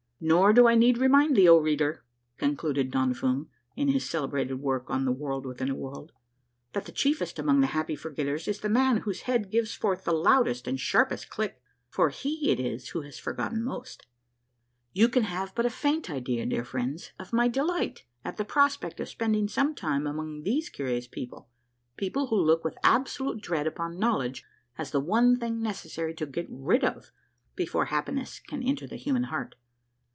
" Nor do I need remind thee, O reader, " concluded Don Fum, in his celebrated work on the " World within a World," " that the chiefest among the Happy Forgetters is the man whose head gives forth the loudest and sharpest click ; for he it is who has forgotten most." You can have but a faint idea, dear friends, of my delight at the prospect of spending some time among these curious people — people who look with absolute dread upon knowledge as the one thing necessary to get rid of before happiness can enter the human heart.